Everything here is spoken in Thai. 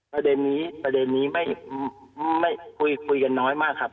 ประเด็นนี้ไม่คุยกันน้อยมากครับ